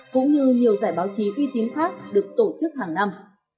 cũng như nhiều giải báo chí uy tín khác được tổ chức hàng năm